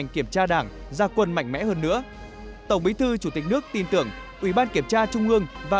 kiểm tra đảng gia quân mạnh mẽ hơn nữa tổng bí thư chủ tịch nước tin tưởng ủy ban kiểm tra trung ương và